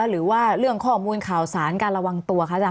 หรือว่าเรื่องข้อมูลข่าวสารการระวังตัวคะอาจาร